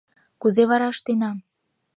— Кузе вара ыштена?..